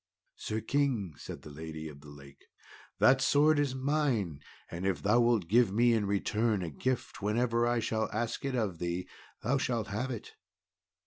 "Sir King," said the lady of the lake, "that sword is mine, and if thou wilt give me in return a gift whenever I shall ask it of thee, thou shalt have it."